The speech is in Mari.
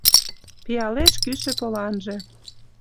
Пиалеш кӱшӧ поланже